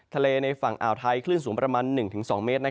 ในฝั่งอ่าวไทยคลื่นสูงประมาณ๑๒เมตร